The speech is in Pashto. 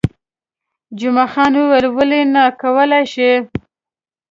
جمعه خان وویل، ولې نه، کولای شئ.